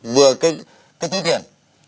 vừa cái tư tiền